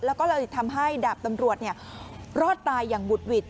แล้วก็เลยทำให้ดาบตำรวจรอดตายอย่างบุดหวิด